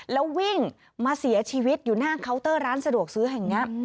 แล้ววิ่งมาเสียชีวิตอยู่หน้าเคาน์เตอร์ร้านสะดวกซื้อแห่งนี้